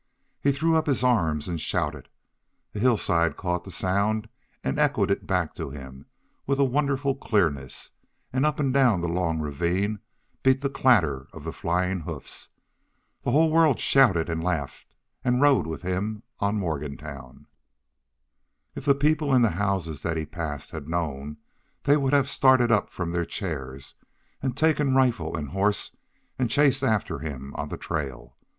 He threw up his arms and shouted. A hillside caught the sound and echoed it back to him with a wonderful clearness, and up and down the long ravine beat the clatter of the flying hoofs. The whole world shouted and laughed and rode with him on Morgantown. If the people in the houses that he passed had known they would have started up from their chairs and taken rifle and horse and chased after him on the trail.